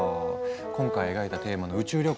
今回描いたテーマの「宇宙旅行」